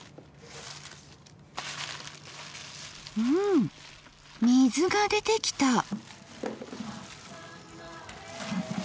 うん水が出てきた。